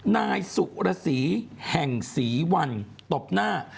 นายสุรศีแห่งศีวรรณ์ตบหน้า